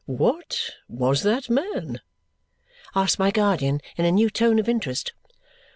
"What was that man?" asked my guardian in a new tone of interest.